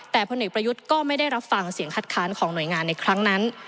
แต่พลเอกประยุทธ์ก็ไม่ได้รับฟังเสียงคัดค้านของหน่วยงานในครั้งนั้น